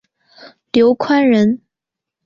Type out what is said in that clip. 刘宽人。